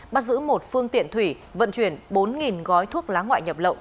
bắt giữ một phương tiện thủy vận chuyển bốn gói thuốc lá ngoại nhập lậu